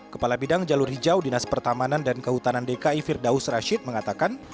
kepala bidang jalur hijau dinas pertamanan dan kehutanan dki firdaus rashid mengatakan